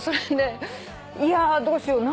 いやどうしよう。